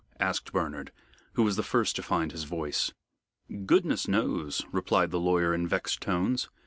asked Bernard, who was the first to find his voice. "Goodness knows," replied the lawyer in vexed tones.